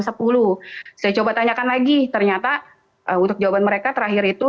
saya coba tanyakan lagi ternyata untuk jawaban mereka terakhir itu